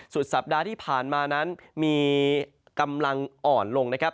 สัปดาห์ที่ผ่านมานั้นมีกำลังอ่อนลงนะครับ